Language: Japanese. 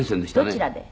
どちらで？